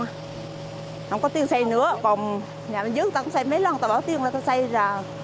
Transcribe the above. không có tiền xây nữa còn nhà mình giữ ta cũng xây mấy lần ta bỏ tiền ra ta xây ra